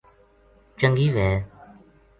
چنگی وھے